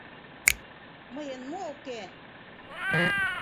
— Мыйын мо уке!